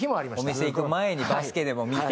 お店行く前にバスケでも見て。